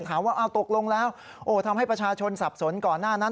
ถามว่าตกลงแล้วทำให้ประชาชนสับสนก่อนหน้านั้น